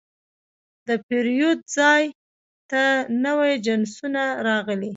د پیرود ځای ته نوي جنسونه راغلي.